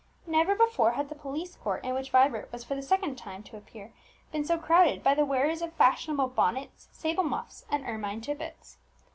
Never before had the police court in which Vibert was for the second time to appear been so crowded by the wearers of fashionable bonnets, sable muffs, and ermine tippets.